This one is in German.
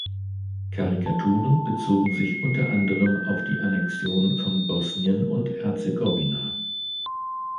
Karikaturen bezogen sich unter anderem auf die Annexion von Bosnien und Herzegowina.